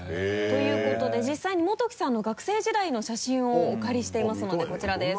ということで実際にモトキさんの学生時代の写真をお借りしていますのでこちらです